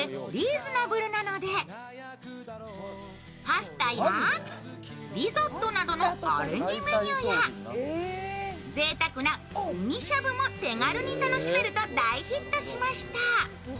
パスタやリゾットなどのアレンジメニューやぜいたくなうにしゃぶも手軽に楽しめると大ヒットしました。